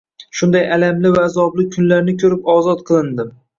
Shunday alamli va azobli kunlarni koʻrib ozod qilindim